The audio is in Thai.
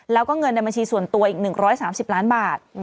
แล้วก็เงินในบัญชีส่วนตัวอีก๑๓๐ล้านบาท